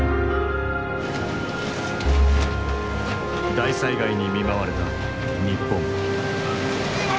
大災害に見舞われた日本。